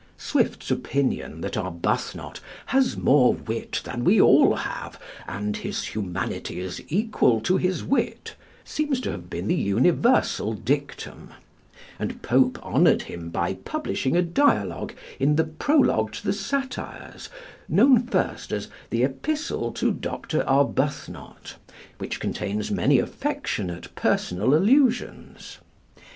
Swift's opinion that Arbuthnot "has more wit than we all have, and his humanity is equal to his wit," seems to have been the universal dictum; and Pope honored him by publishing a dialogue in the 'Prologue to the Satires,' known first as 'The Epistle to Dr. Arbuthnot,' which contains many affectionate personal allusions.